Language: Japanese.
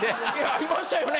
ありましたよね？